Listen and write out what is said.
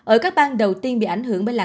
ở các bang đầu tiên bị ảnh hưởng bởi lãng